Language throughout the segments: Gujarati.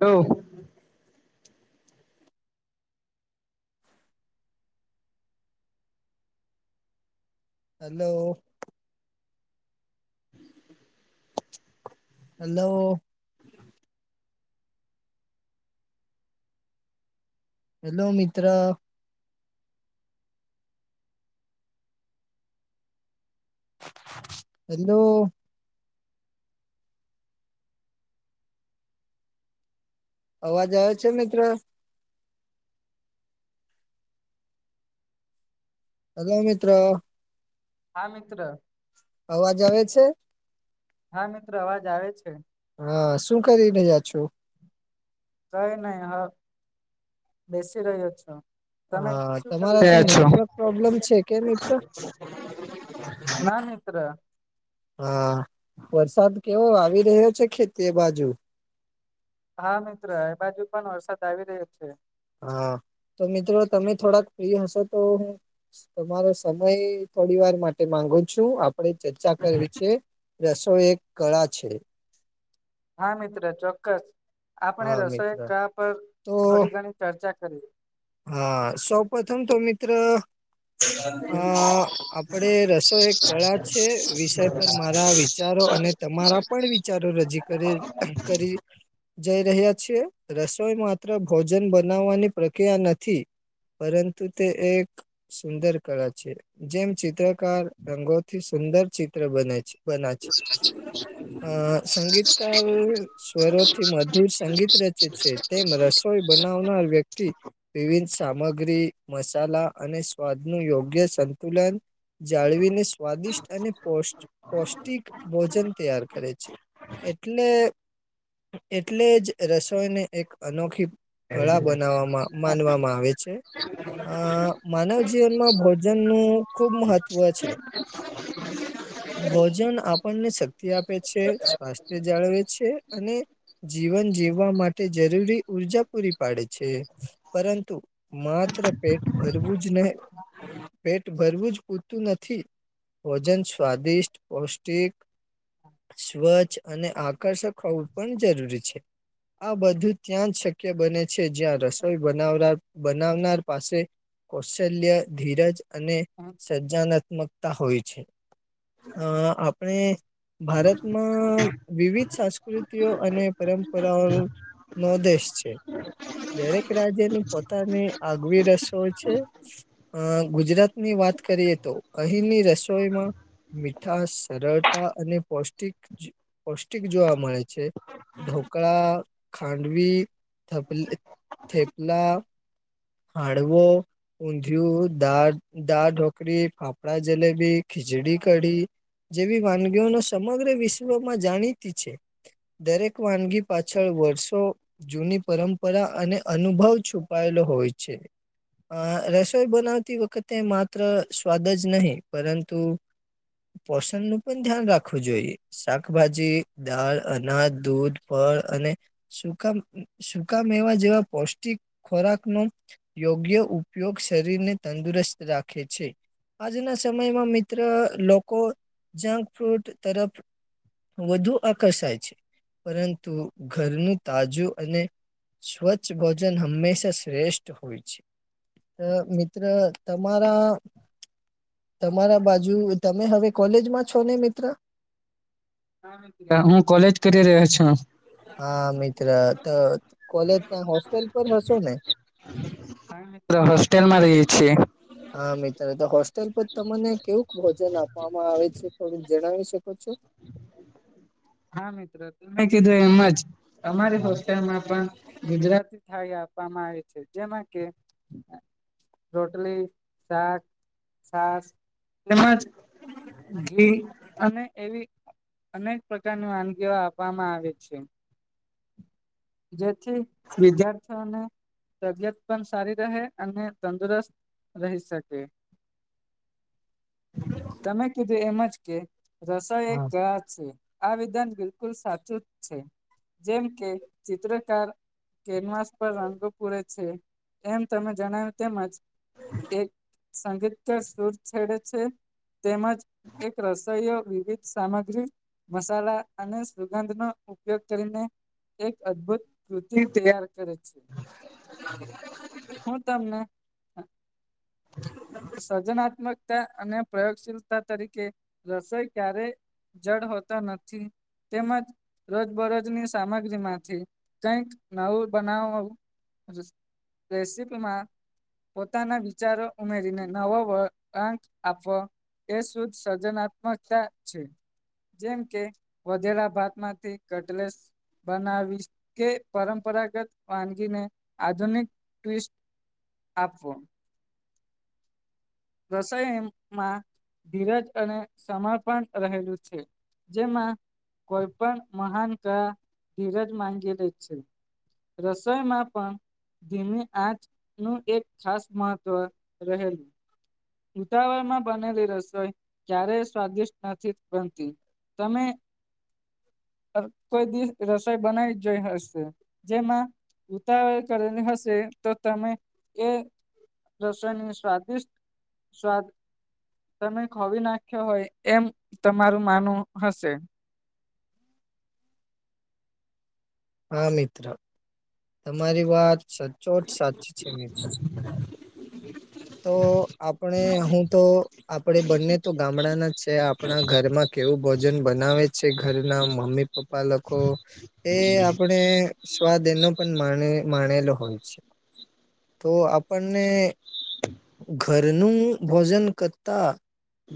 જો હલો. હલ્લો. હલ્લો મિત્ર હલ્લો. અવાજ આવે છે મિત્ર હલો મિત્રો હા મિત્ર અવાજ આવે છે. હા મિત્ર અવાજ આવે છે. હા શું કરીને રહ્યા છો કઈ નહી હા બેસી રહ્યો છું તમે હા શું [unintelligible] તમારા રહ્યા ત્યાં છો નેટવર્ક પ્રોબ્લેમ છે કે મિત્ર ના મિત્ર હા વરસાદ કેવો આવી રહ્યો છે ખેતી બાજુ. હા મિત્ર એ બાજુ પણ વરસાદ આવી રહ્યો છે. હા તો મિત્રો તમે થોડાક ફ્રી હશો તો હું. તમારો સમય થોડી વાર માટે માંગુ છું આપ આપણે ચર્ચા કરવી છે, રસોઈ એક કળા છે. હા મિત્ર ચોક્કસ આપણે હા મિત્ર રસોઈ કળા પર તો થોડી ઘણી ચર્ચા કરીએ. હા સૌપ્રથમ તો મિત્ર. [inaudible] અ આપડે રસો એક કળા છે, વિષય પર મારા વિચારો અને તમારા પણ વિચારો રજી કરી. જઈ રહ્યા છે રસોઈ માત્ર ભોજન બનાવવાની પ્રક્રિયા નથી. પરંતુ તે એક. સુંદર કળા છે જેમ ચિત્રકાર રંગોથી સુંદર ચિત્ર બને છે. બના છે. અ સંગીતકાર સ્વરોથી મધુર સંગીત રચે છે તે રસોઈ બનાવનાર વ્યક્તિ. વિવિધ સામગ્રી, મસાલા અને સ્વાદ નું યોગ્ય સંતુલન. જાળવીને સ્વાદિષ્ટ અને પૌવ પૌષ્ટિક ભોજન તૈયાર કરે છે. એટલે એટલે જ રસોઈને એક અનોખી. કળા બનાવામાં [inaudible] માનવામાં આવે છે. અ માનવ જીવનમાં ભોજન નું ખુબ મહત્ત્વ છે. [inaudible] ભોજન આપણને શક્તિ આપે છે, સ્વાસ્થ્ય જાળવે છે અને જીવન જીવવા માટે જરૂરી ઊર્જા પૂરી પાડે છે. છે પરંતુ માત્ર પેટ ભરવું જ નહી પેટ. ભરવું જ પૂરતું નથી, ભોજન, સ્વાદિષ્ટ, પૌષ્ટિક સ્વચ્છ અને આકર્ષક હોવું પણ જરૂરી છે. આ બધું ત્યાં જ શક્ય બને છે જ્યાં રસ બવ બનાવનાર પાસે કૌશલ્ય ધીરજ અને, હ. સજજાનાત્મકતા હોય છે. અ આપણે ભારતમાં. વિવિધ સંસ્કૃતિઓ અને પરંપરાઓ નો દેશ છે. દરેક રાજ્યની પોતાની આગવી રસો છે. અ ગુજરાત ની વાત કરીએ તો અહીંની રસોઈમાં. મીઠા સરળતા અને પૌષ્ટિક પૌષ્ટિક જોવા મળે છે. છે ઢોકળા ખાંડવી થપ થેપલા. હાડવો. ઊંધિયું દાળ દાળ ઢોકરી ફાફડા જલેબી ખીચડી કઢી. જેવી વાનગીઓનો સમગ્ર વિશ્વમાં જાણીતી છે. દરેક વાનગી પાછળ વર્ષો. જૂની પરંપરા અને અનુભવ છુપાયેલો હોય છે. અ રસોઈ બનાવતી વખતે માત્ર સ્વાદ જ નહીં પરંતુ પોષણ નું પણ ધ્યાન રાખવું જોઈએ શાકભાજી દાળ, અનાજ, દૂધ. ફળ અને સુકા સુકામેવા જેવા પૌષ્ટિક ખોરાક નો. યોગ્ય ઉપયોગ શરીરને તંદુરસ્ત રાખે છે. આજના સમયમાં મિત્ર લોકો જંક ફ્રૂટ તરફ વધુ આકર્ષાય છે. પરંતુ ઘરનું તાજું અને સ્વચ્છ ભોજન હંમેશા શ્રેષ્ ષ્ઠ હોય છે. અ મિત્ર તમારા તમારા બાજુ તમે હવે કોલેજમાં છો ને મિત્ર? હા હું કોલેજ કરી રહ્યો છું. હા મિત્ર તો કોલેજના હોસ્ટેલ પર હશોને? હા મિત્ર હોસ્ટેલમાં રહીએ છી. હા મિત્ર તો હોસ્ટેલ પર તમને કેવુંક ભોજન આપવામાં આવે છે, થોડુંક જણાવી શકો છો? હા મિત્ર તમે કીધું એમજ અમારી હા હોસ્ટેલમાં પણ ગુજરાતી થાળી આપવામાં આવે છે. જેમાં કે અ રોટલી, શાક, છાસ તેમજ ઘી અને એવી અનેક પ્રકારની વાનગીઓ આપવામાં આવે છે. જેથી વિદ્યાર્થીઓને તબિયત પન સારી રહે, અને તંદુરસ્ત રહી શકે. તમે કીધું એમજ કે રસોઈ એક હા કળા જ છે. આ વિધાન બિલકુલ સાચું જ છે. જેમ કે ચિત્રકાર કેનવાસ પર રંગો પૂરે છે. એમ તમે જણાવ્યું તેમજ એક સંગીતકાર સુર છેડે છે. તેમજ એક રસોઈયો વિવિધ સામગ્રી મસાલા અને સુગંધનો ઉપયોગ કરીને એક અદભુત કૃતિ તૈયાર કરે છે. [inaudible] હું તમને અ સર્જનાત્મકતા અને પ્રયોગશીલતા તરીકે રસોઈ ક્યારે જડ હોતા નથી. તેમજ રોજબરોજની સામગ ગ્રીમાંથી કંઈક નવું બનાવું રેસીપીમાં પોતાના વિચારો ઉમેરીને નવ વ અંક આપવો એ શુદ્ધ સર્જનાત્મકતા છે. જેમ કે વધેલા ભાતમાંથી કટલેસ બનાવી કે પરંપરાગત વાનગીને આધુનિક ટ્વીસ્ટ આપવો. રસોઈ એમમાં ધીરજ અને સમર્પણ રહેલું છે જેમાં કોઈ પણ મહાન કા ધીરજ માંગેલી છે. રસોઈમાં પણ ધીમું આચનું એક ખાસ મહત્વ રહેલું. ઉતાવળમાં બનેલી રસોઈ ક્યારેય સ્વાદિષ્ટ નથી બનતી. તમે અ કોઈ દિવ રસોઈ બનાવી જોઈ હશે. જેમાં ઉતાવળ કરેલી હશે તો તમે એ રસોઈને સ્વાદિષ્ટ સ્વાદ તમે ખોવી નાખ્યો હોય એમ તમારું માનવું હશે. હા મિત્ર, તમારી વાત સચોટ સાચી છે મિત્ર. તો આપણે હું તો આપણેે બંને તો ગામડાંના છે આપણા ઘરમાં કેવું ભોજન બનાવે છે. ઘરના મમ્મી પ પપ્પા લોકો એ આપ પે સ્વાદ એનો પણ માણે માણેલો હોય છે. તો આપણને ઘરનું ભોજન કર તા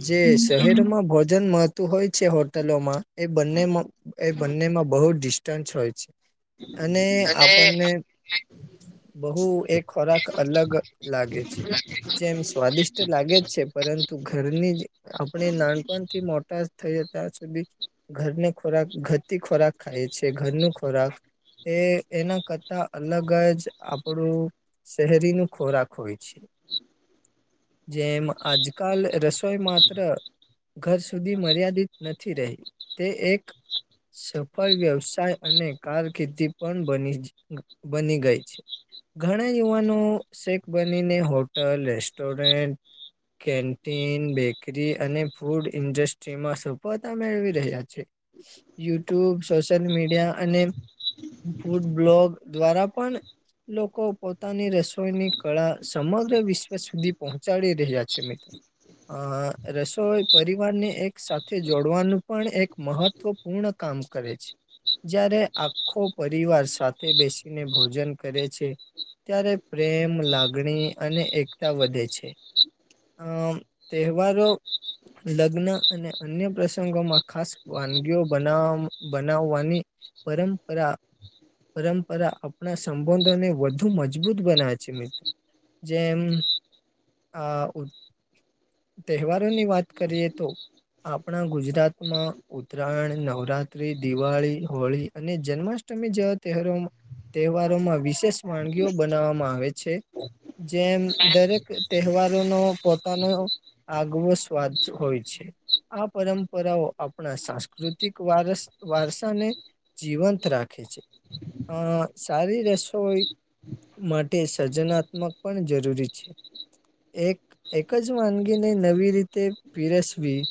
જે શહેરમાં ભોજન મળતું હોય છે હોટલોમાં એ બંનેમાં એ બંનેમાં બહુ ડિસ્ટન્સ હોય છે. અને આપણને બહુ એ ખોરાક અલગ લાગે છે. જેમ સ્વાદિષ્ટ લાગે છે. પરંતુ ઘરનીજ આપણે નાનપણથી મોટા જ થયા ત્યાં સુધી ઘરની ખોરાક ઘતી ખોરાક ખાયએ છીએ ઘરનું ખોરાક. એ એના કરતા અલગજ આપણું શહેરી નુ ખોરાક હોય છે જેમ આજકાલ રસ કેવલ માત્ર ઘર સુધી મર્યાદિત નથી રહી તે એક સફળ વ્યવસાય અને કાર કિર્દી પણ બની બની ગઈ છે. ઘણા યુવાનો શેખ બનીને હોટલ રેસ્ટોરન્ટ કેન્ટીન બેકરી અને ફૂડ ઇન્ડસ્ટ્રીમાં સફળતા મેળવી રહ્યા છે. યુટ્યુબ સોશિયલ મીડિયા અને ફૂડ બ્લોગ દ્વારા પણ લોકો પોતાની રસોઈની કળા સમગ્ર વિશ્વ સુધી પહોંચાડી રહ્યા છે મિત્રો અ રસોઈ પરિવારને એક સાથે જોડવાનું પણ એક મહત્વ પૂર્ણ કામ કરે છે. જયારે આખો પરિવાર સાથે બેસીને ભોજન કરે છે. ત્યારે પ્રેમ લાગણી અને એકતા વધે છે. અ તહેવારો લગ્ન અને અન્ય પ્રસંગોમાં ખાસ વાનગીઓ બનાવા બનાવવાની પરંપરા પરંપરા આપણા સંબંધોને વધુ મજબૂત બનાવે છે મિત્રો જેમ આ તહેવારોની વાત કરીએ તો આપણા ગુજરાતમાં ઉત્તરાયણ નવરાત્રિ દિવાળી હોળી અને જન્માષ્ટમી જેવા તહેવારોમાં તહેવારોમાં વિશેષ વાનગીઓ બનાવવામાં આવે છે. જેમ દરેક તહેવારો નો પોતાનો આગવોસ વાત હોય છે. આ પરંપરાઓ આપણા સાંસ્કૃતિક વારસ વારસાને જીવંત રાખે છે અ સારી રસોઈ માટે સર્જનાત્મક પણ જરૂરી છે. એક એક જ વાનગીને નવી રીતે પીરસવી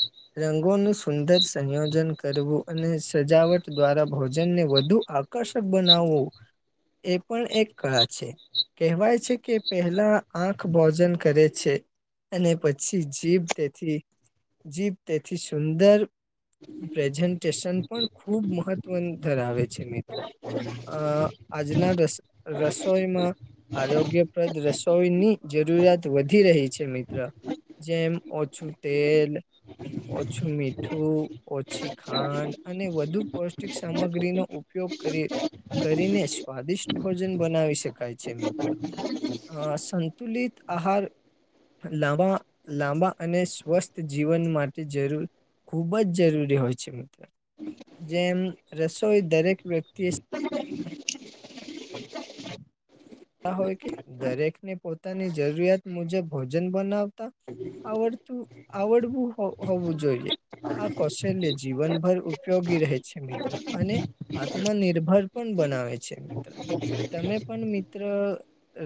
રંગોનું સુંદર સંયોજન કરવું અને સજાવટ દ્વારા ભોજનને વધુ આકર્ષક બનાવવું એ પણ એક કળા છે. કહેવાય છે કે પહેલા આંખ ભોજન કરે છે અને પછી જીભ તેથી જીભ તેથી સુંદર પ્રેઝન્ટેશન પણ ખુબ મહત્વનુ ધરાવે છે છે મિત્ર અ આજના રસ રસોઈમાં આરોગ્યપ્રદ રસોઈની જરૂરિયાત વધી રહી છે મિત્ર જેમ ઓછું તેલ ઓછું મીઠું ઓછી ખાંડ અને વધુ પૌષ્ટિક સામગ્રીનો ઉપયોગ કરીએ. કરીને સ્વાદિષ્ટ ભોજન બનાવી શકાય છે મિત્ર અ સંતુલિત આહાર લાંબા લાંબા અને સ્વસ્થ જીવન માટે જરૂર ખુબ જ જરૂરી હોય છે મિત્રો જેમ રસોઈ દરેક વ્યક્તિ તા હોય કે દરેક ને પોતાની જરૂરિયાત મુજબ ભોજન બનાવતા આવડતું આવડવું હોવું જોઈએ. આ કૌશલ્ય જીવનભર ઉપયોગી રહે છે મિત્ર અને આત્મનિર્ભર પણ બનાવે છે. તમે પણ મિત્ર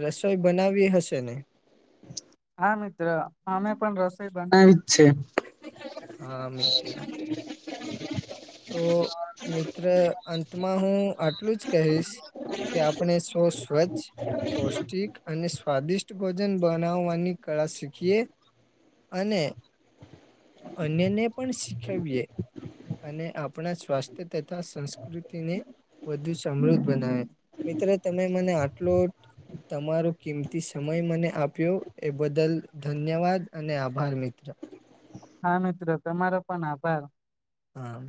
રસોઈ બનાવી હશે ને હા મિત્ર અમે પણ રસોઈ બનાવી જ છે. હા મિત્ર. તો મિત્ર અંતમાં હું આટલું જ કહીશ. કે આપણે શું સ્વચ્છ પૌષ્ટિક અને સ્વાદિષ્ટ ભોજન બનાવવાની કળા શીખીએ? અને અન્યને પણ શીખવીએ. અને આપણા સ્વાસ્થ્ય તથા સંસ્કૃતિને વધુ સમૃદ્ધ બનાવે મિત્રો તમે મને આટલો તમારો કિંમતી સમય મને આપ્યો એ બદલ ધન્યવાદ અને આભાર મિત્ર હા મિત્ર તમારો પણ આભાર! હા.